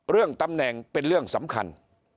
เรื่องตำแหน่งเป็นเรื่องสำคัญ